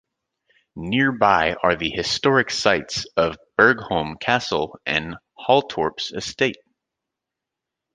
Nearby are the historic sites of Borgholm Castle and Halltorps Estate.